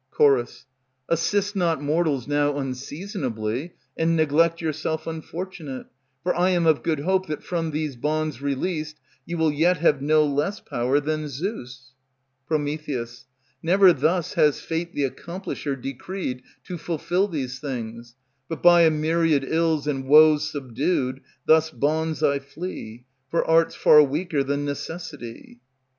Ch. Assist not mortals now unseasonably, And neglect yourself unfortunate; for I Am of good hope that, from these bonds Released, you will yet have no less power than Zeus. Pr. Never thus has Fate the Accomplisher Decreed to fulfill these things, but by a myriad ills And woes subdued, thus bonds I flee; For art 's far weaker than necessity.